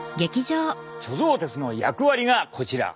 貯蔵鉄の役割がこちら。